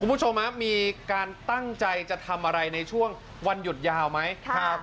คุณผู้ชมครับมีการตั้งใจจะทำอะไรในช่วงวันหยุดยาวไหม